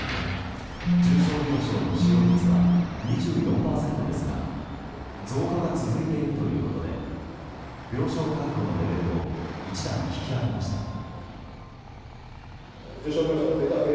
重症病床の使用率は２４％ですが増加が続いているということで病床確保のレベルを１段引き上げました。